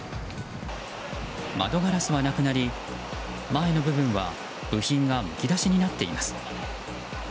窓ガラスはなくなり前の部分は部品がむき出しになっています。